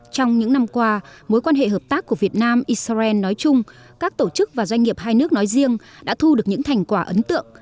trong những năm qua mối quan hệ hợp tác của việt nam israel nói chung các tổ chức và doanh nghiệp hai nước nói riêng đã thu được những thành quả ấn tượng